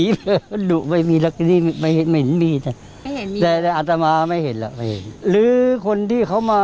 ฝ่ามันแต่ส่วนวัดปุฏิ